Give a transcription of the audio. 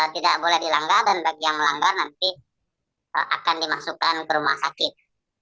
tidak boleh dilanggar dan bagi yang melanggar nanti akan dimasukkan ke rumah sakit